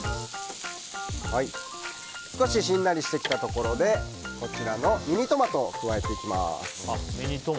少ししんなりしてきたところでミニトマトを加えていきます。